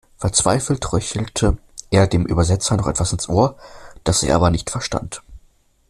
Verzweifelt röchelte er dem Übersetzer noch etwas ins Ohr, das er aber nicht verstand.